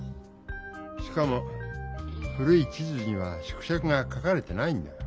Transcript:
しかも古い地図には縮尺が書かれてないんだ。